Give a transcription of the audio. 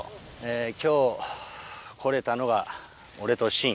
今日来れたのが俺と慎。